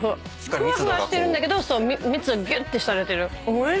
ふわふわしてるんだけど密度ギュッてされてる。